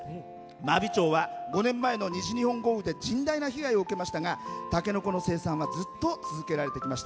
真備町は、５年前の西日本豪雨で甚大な被害を受けましたがたけのこの生産はずっと続けられてきました。